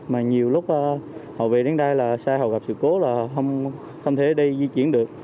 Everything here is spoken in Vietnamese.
mà nhiều lúc họ về đến đây là xe hầu gặp sự cố là không thể đi di chuyển được